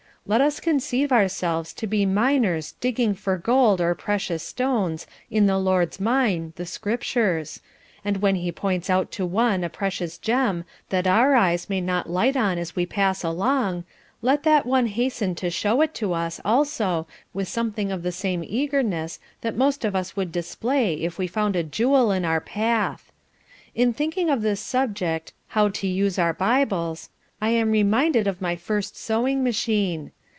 Let us conceive ourselves to be miners digging for gold or precious stones, in the Lord's mine, the Scriptures; then when he points out to one a precious gem that our eyes may not light on as we pass along, let that one hasten to show it to us also with something of the same eagerness that most of us would display if we found a jewel in our path. In thinking of this subject: 'How to use our Bibles,' I am reminded of my first sewing machine.